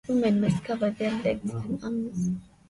Women must cover their legs and arms.